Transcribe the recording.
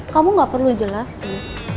kamu gak perlu jelasin